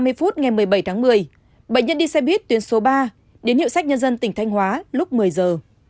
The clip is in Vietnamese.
ba mươi phút ngày một mươi bảy tháng một mươi bệnh nhân đi xe buýt tuyến số ba đến hiệu sách nhân dân tỉnh thanh hóa lúc một mươi giờ